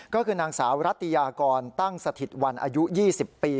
ก็คือนางสาวรัตยากรตั้งสถิตวันอายุ๒๐ปี